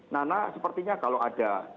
nah nah sepertinya kalau ada